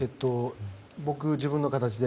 僕、自分の形で。